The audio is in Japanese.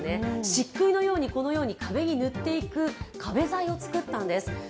しっくいのように、このように壁に塗っていく壁材を作ったんです。